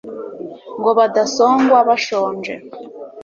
ngo badasongwa bashonje